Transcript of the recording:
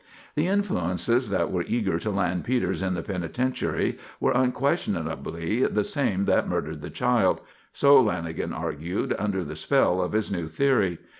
The influences that were eager to land Peters in the penitentiary were unquestionably the same that murdered the child; so Lanagan argued under the spell of his new theory.